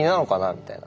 みたいな。